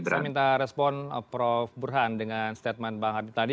jadi saya minta respon prof burhan dengan statement bang hadi tadi